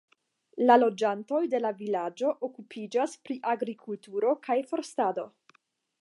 La loĝantoj de la vilaĝo okupiĝas pri agrikulturo kaj forstado.